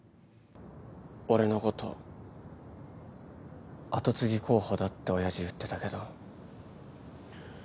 俺のこと跡継ぎ候補だって親父言ってたけど。